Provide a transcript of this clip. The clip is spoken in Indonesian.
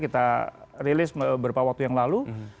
kita rilis beberapa waktu yang lalu